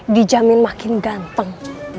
dijamin makin ganteng